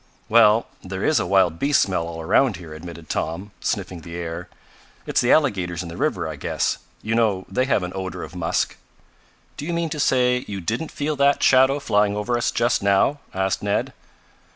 "Well, there is a wild beast smell all around here," admitted Tom, sniffing the air. "It's the alligators in the river I guess. You know they have an odor of musk." "Do you mean to say you didn't feel that shadow flying over us just now?" asked Ned.